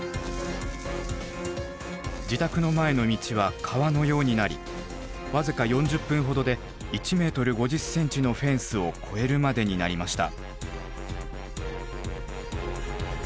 自宅の前の道は川のようになり僅か４０分ほどで１ｍ５０ｃｍのフェンスを越えるまでになりました。